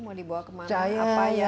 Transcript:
mau dibawa kemana